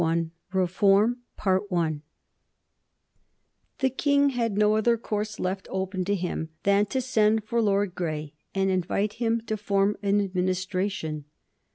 [Sidenote: 1830 Brougham and the ministry] The King had no other course left open to him than to send for Lord Grey and invite him to form an Administration.